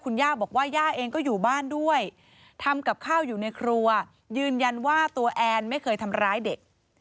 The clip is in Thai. คุณย่าบอกว่าย่าเองก็อยู่บ้านด้วยทำกับข้าวอยู่ในครัวยืนยันว่าตัวแอนไม่เคยทำร้ายเด็ก